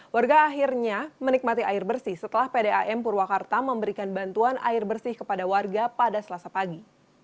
warga akhirnya menikmati air bersih setelah pdam purwakarta memberikan bantuan air bersih kepada warga pada selasa pagi